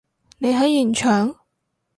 你喺現場？